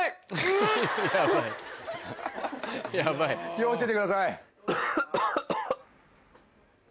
気を付けてください。